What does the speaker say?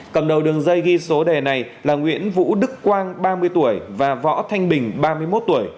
cầm đầu đường dây ghi số đề này là nguyễn vũ đức quang ba mươi tuổi và võ thanh bình ba mươi một tuổi